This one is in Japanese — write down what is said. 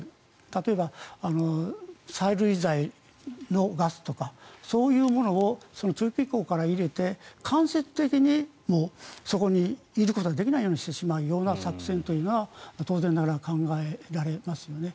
例えば催涙剤のガスとかそういうものを通気口から入れて間接的にそこにいることができないようにしてしまう作戦というのは当然ながら考えられますよね。